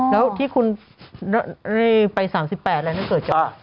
อ๋อแล้วที่คุณไป๓๘บาทอะไรนะเกิดจาก